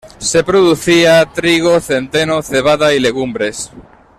Se producía trigo, centeno, cebada y legumbres.